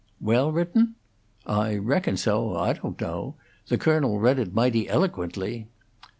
"Well written?" "I reckon so; I don't know. The Colonel read it mighty eloquently."